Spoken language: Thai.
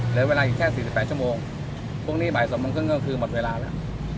เหลือเวลาอีกแค่สี่สิบแปดชั่วโมงพวกนี้บ่ายสมบังเครื่องเครื่องคือหมดเวลาแล้ว